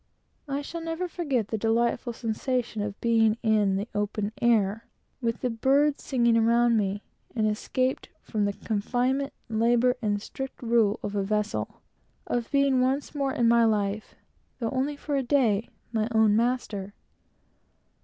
I shall never forget the delightful sensation of being in the open air, with the birds singing around me, and escaped from the confinement, labor, and strict rule of a vessel of being once more in my life, though only for a day, my own master.